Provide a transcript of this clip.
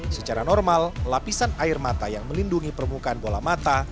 secara normal lapisan air mata yang melindungi permukaan bola mata